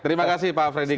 terima kasih pak frederick